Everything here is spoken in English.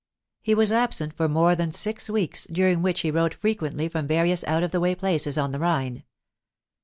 He was absent for more than six weeks, during which he wrote frequently from various out of the way places on the Rhine.